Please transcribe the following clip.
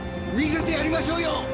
見せてやりましょうよ。